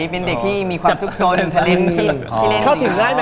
เป็นเด็กที่มีความสุขโซนสลิม